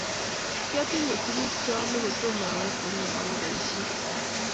Kyatinye tuguk chaame kotomo awektegei awo boishiet